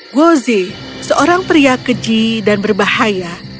gozi seorang pria keji dan berbahaya